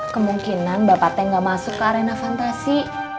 kemungkinan bapak teng gak masuk ke arena fantasi